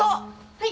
はい！